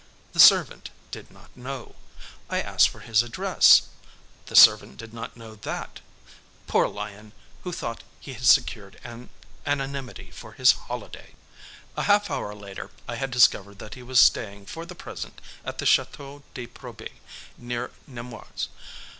The servant did not know. I asked for his address. The servant did not know that. Poor lion, who thought he had secured anonymity for his holiday! A half hour later I had discovered that he was staying for the present at the Château de Proby, near Nemours.